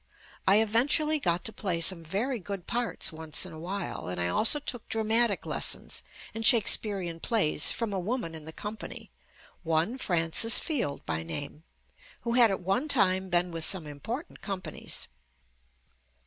I eventually got to play some very JUST ME good parts once in a while, and I also took dramatic lessons in Shakesperean plays from a woman in the*company, one Frances Field by name, who had at one time been with some important companies.